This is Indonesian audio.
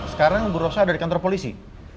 sekarang bu rosa ada di kantor polisi